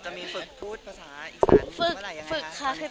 จะมีฝึกพูดภาษาอีสานฝึกเมื่อไหร่ยังไงคะ